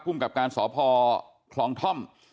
คุ้มกับการสอบพอคลองท่อม